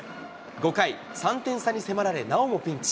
５回、３点差に迫られ、なおもピンチ。